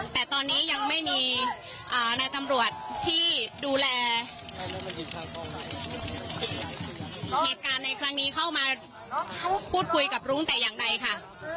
แต่ตอนนี้ยังไม่มีนายตำรวจที่ดูแลเหตุการณ์ในครั้งนี้เข้ามาพูดคุยกับรุ้งแต่อย่างใดค่ะ